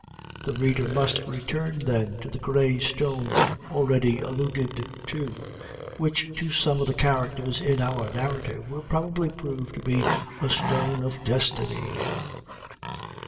The reader must return, then, to the Grey Stone already alluded to, which to some of the characters in our narrative will probably prove to be a "stone of destiny."